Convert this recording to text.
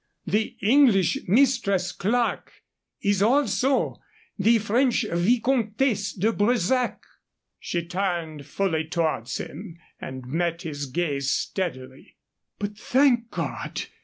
The English Mistress Clerke is also the French Vicomtesse de Bresac." She turned fully towards him and met his gaze steadily. "But, thank God!